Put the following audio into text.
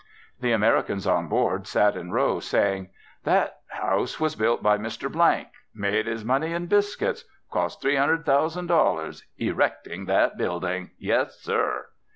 The Americans on board sat in rows saying "That house was built by Mr . Made his money in biscuits. Cost three hundred thousand dollars, e recting that building. Yessir."